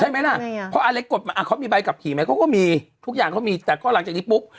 เพราะอะไรกฎอะเค้ามีใบกลับขี่ไหมเค้าก็มีทุกอย่างเค้ามีแต่ก็หลังจากนี้ปุ๊บ